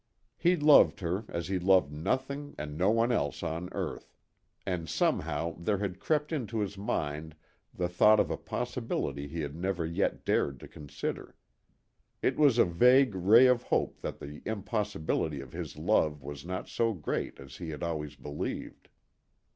He loved her as he loved nothing and no one else on earth, and somehow there had crept into his mind the thought of a possibility he had never yet dared to consider. It was a vague ray of hope that the impossibility of his love was not so great as he had always believed.